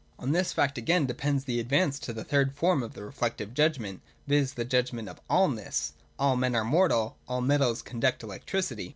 On this fact again depends the advance to the third form of the Reflective judgment, viz. the judgment of allness (all men are mortal, all metals conduct electricity).